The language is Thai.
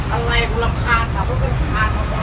อะไรก็รำคาญกับพวกมันขาดของเรา